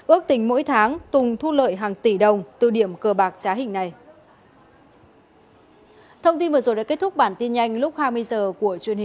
ước tình mỗi tháng tùng thu lợi hàng tỷ đồng từ điểm cờ bạc trá hình này